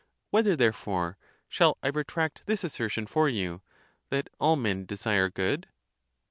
Whether therefore shall I retract this asser tion for you, that all men desire good?